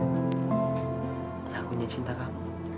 dan aku ngecinta kamu